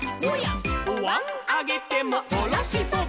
「おわんあげてもおろしそば」